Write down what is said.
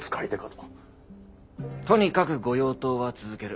とにかく御用盗は続ける。